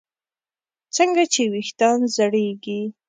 څنګه چې ویښتان زړېږي